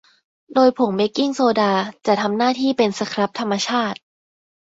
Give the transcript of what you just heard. โดยผงเบกกิ้งโซดาจะทำหน้าที่เป็นสครับธรรมชาติ